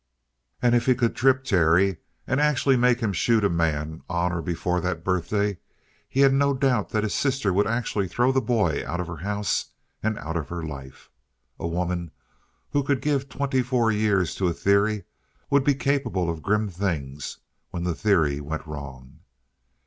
And if he could trip Terry and actually make him shoot a man on or before that birthday, he had no doubt that his sister would actually throw the boy out of her house and out of her life. A woman who could give twenty four years to a theory would be capable of grim things when the theory went wrong.